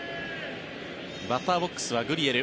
バッターボックスはグリエル。